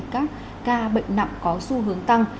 các ca bệnh nặng có xu hướng tăng